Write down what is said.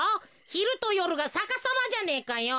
ひるとよるがさかさまじゃねえかよ。